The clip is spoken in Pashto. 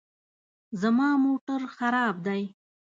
زما موټر خراب دی